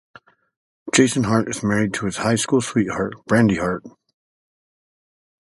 Jason Hart is married to his high school sweetheart, Brandi Hart.